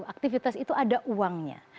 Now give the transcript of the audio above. aktivitas itu ada uangnya